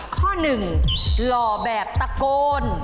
ข้อ๑หล่อแบบตะโกน